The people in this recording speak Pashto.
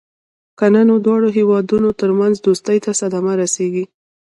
کنه نو د دواړو هېوادونو ترمنځ دوستۍ ته صدمه رسېږي.